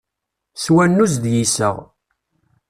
S wannuz d yiseɣ.